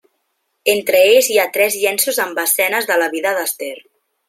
Entre ells hi ha tres llenços amb escenes de la vida d'Ester.